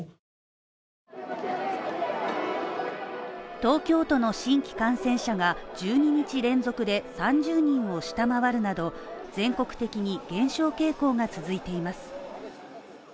東京都の新規感染者が１２日連続で３０人を下回るなど、全国的に減少傾向が続いています。